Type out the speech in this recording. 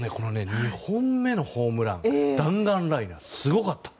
２本目のホームランは弾丸ライナーですごかった！